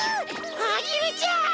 アゲルちゃん！